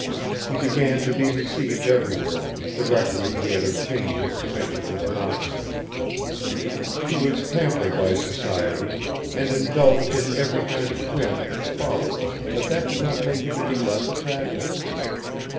He began to be received everywhere directly he had obtained his commission as an officer. He was pampered by society, and indulged in every kind of whim and folly, but that did not make him any less attractive.